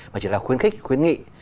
mà chỉ là khuyến khích khuyến nghị